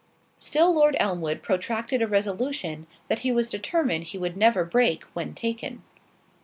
Still Lord Elmwood protracted a resolution, that he was determined he would never break when taken.